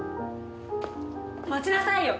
待ちなさいよ！